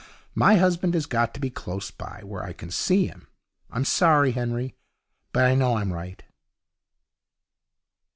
My husband has got to be close by, where I can see him. I'm sorry, Henry, but I know I'm right.'